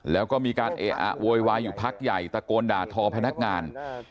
แล้วก็มีการเอะอะโวยวายอยู่พักใหญ่ตะโกนด่าทอพนักงาน